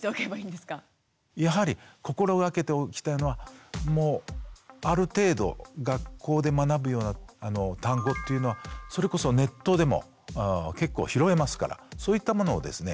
やはり心がけておきたいのはもうある程度学校で学ぶような単語っていうのはそれこそネットでも結構拾えますからそういったものをですね